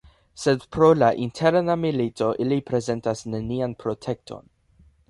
Sed pro la interna milito, ili prezentas nenian protekton.